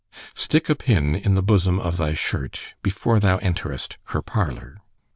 Stick a pin in the bosom of thy shirt, before thou enterest her parlour.